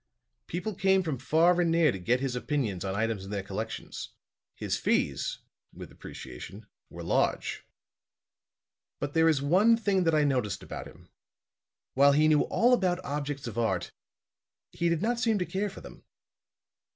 People came from far and near to get his opinion on items in their collections. His fees," with appreciation, "were large. "But there is one thing that I noticed about him. While he knew all about objects of art, he did not seem to care for them.